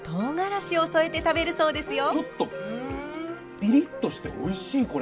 ピリッとしておいしいこれ。